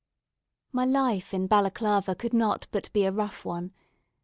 My life in Balaclava could not but be a rough one.